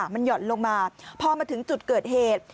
มันหย่อนลงมาพอมาถึงจุดเกิดเหตุ